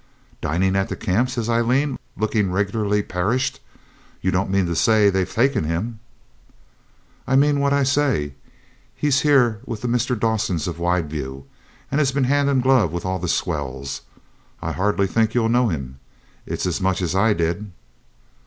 'Dining at the camp!' says Aileen, looking regularly perished. 'You don't mean to say they've taken him?' 'I mean what I say. He's here with the Mr. Dawsons, of Wideview, and has been hand and glove with all the swells. I hardly think you'll know him. It's as much as I did.'